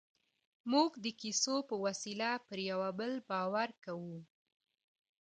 موږ د کیسو په وسیله پر یوه بل باور کوو.